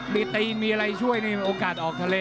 มีตีมีอะไรช่วยในโอกาสออกทะเล